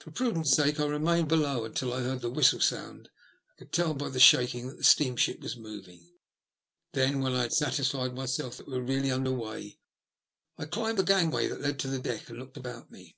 For prudence sake I remained below until I heard the whistle sound and could tell by the shaking that the steamship was moving. Then, when I had satisfied myself that we were really under way, I climbed the gangway that led to the deck and looked about me.